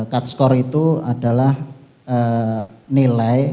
cut score itu adalah nilai